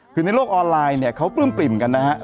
คือในโลกออนไลน์เขาปรื่นปริ่มกันนะครับ